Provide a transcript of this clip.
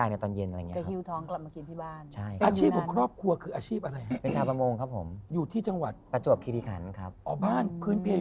อืมอืมอืมอืม